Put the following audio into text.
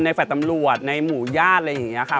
แฟลต์ตำรวจในหมู่ญาติอะไรอย่างนี้ค่ะ